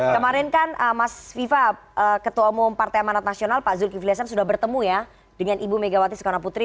kemarin kan mas viva ketua umum partai amanat nasional pak zulkifli hasan sudah bertemu ya dengan ibu megawati soekarno putri